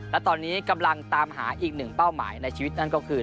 และตอนนี้กำลังตามหาอีกหนึ่งเป้าหมายในชีวิตนั่นก็คือ